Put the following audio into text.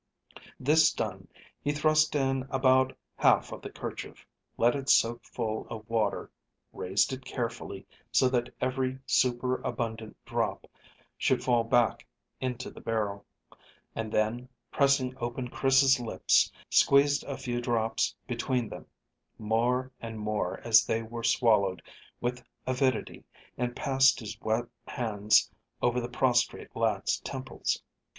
This done, he thrust in about half of the kerchief, let it soak full of water, raised it carefully so that every superabundant drop should fall back into the barrel, and then, pressing open Chris's lips, squeezed a few drops between them, more and more as they were swallowed with avidity, and passed his wet hands over the prostrate lad's temples.